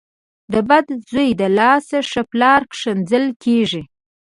د بد زوی له لاسه ښه پلار کنځل کېږي .